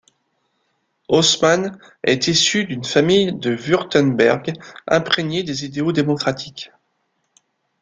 Haußmann est issu d'une famille du Wurtemberg imprégnée des idéaux démocratiques.